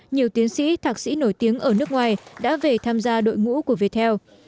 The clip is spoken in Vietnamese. nhiều tiến sĩ thạc sĩ nổi tiếng ở nước ngoài đã về tham gia đội ngũ của việt theo